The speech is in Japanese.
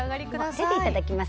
手でいただきます。